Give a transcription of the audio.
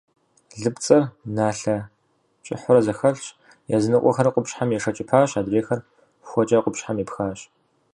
Лыпцӏэр налъэ кӏыхьурэ зэхэлъщ, языныкъуэхэр къупщхьэм ешэкӏыпащ, адрейхэр хуэкӏэ къупщхьэм епхащ.